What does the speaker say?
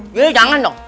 iya jangan dong